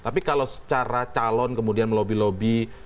tapi kalau secara calon kemudian melobby lobby